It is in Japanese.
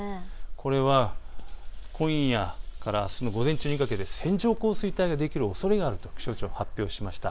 これは今夜からあすの午前中にかけて線状降水帯ができるおそれがあると気象庁が発表しました。